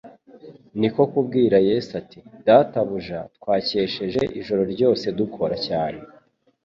Niko kubwira Yesu ati: "Databuja, twakesheje ijoro ryose dukora cyane,